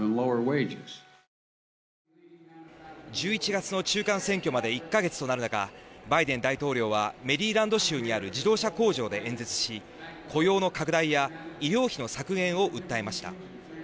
１１月の中間選挙まで１か月となる中バイデン大統領はメリーランド州にある自動車工場で演説し雇用の拡大や医療費の削減を訴えました。